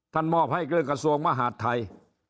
ท่านมอบให้เรื่องกระทรวงมหาดไทย